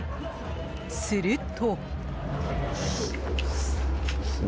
すると。